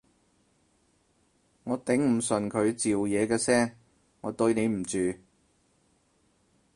我頂唔順佢嚼嘢嘅聲，我對你唔住